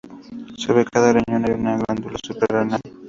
Sobre cada riñón hay una glándula suprarrenal.